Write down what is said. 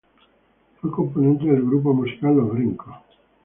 Fue componente del grupo musical Los Brincos.